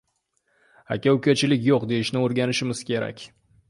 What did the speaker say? Aka-ukachilik? «Yo‘q» deyishni o‘rganishimiz kerak